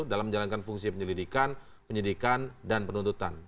dalam menjalankan fungsi penyelidikan penyidikan dan penuntutan